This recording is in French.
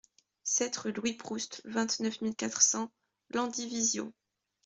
sept rue Louis Proust, vingt-neuf mille quatre cents Landivisiau